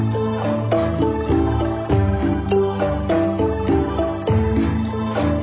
ที่สุดท้ายที่สุดท้ายที่สุดท้าย